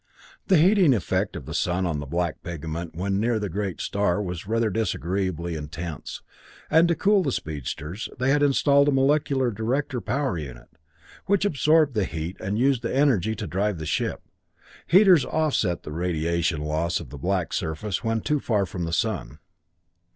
The heating effect of the sun on the black pigment when near the great star was rather disagreeably intense, and to cool the speedsters they had installed molecular director power units, which absorbed the heat and used the energy to drive the ship. Heaters offset the radiation loss of the black surface when too far from the sun.